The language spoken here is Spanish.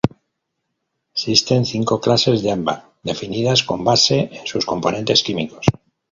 Existen cinco clases de ámbar, definidas con base en sus componentes químicos.